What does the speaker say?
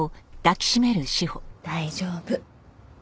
大丈夫。